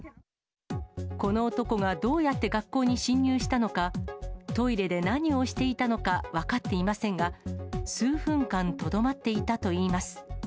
この男がどうやって学校に侵入したのか、トイレで何をしていたのか、分かっていませんが、数分間とどまっていたといいます。